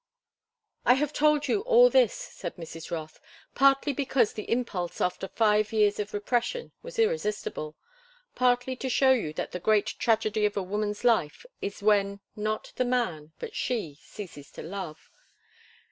"I have told you all this," said Mrs. Rothe, "partly because the impulse after five years of repression was irresistible, partly to show you that the great tragedy of a woman's life is when not the man, but she, ceases to love.